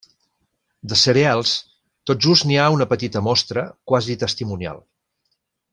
De cereals, tot just n'hi ha una petita mostra, quasi testimonial.